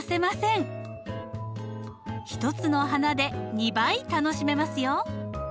１つの花で２倍楽しめますよ。